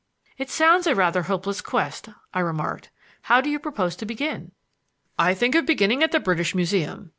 "It sounds a rather hopeless quest," I remarked. "How do you propose to begin?" "I think of beginning at the British Museum.